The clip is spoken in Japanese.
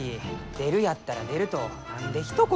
出るやったら出ると何でひと言。